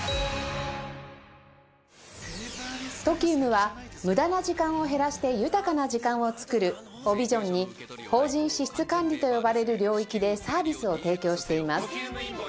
ＴＯＫＩＵＭ は「無駄な時間を減らして豊かな時間を創る」をビジョンに法人支出管理と呼ばれる領域でサービスを提供しています